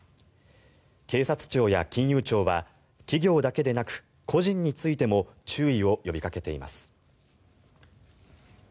警察庁や金融庁は企業だけでなく個人についても注意を呼びかけています。